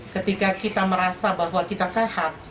ketika kita merasa bahwa kita sehat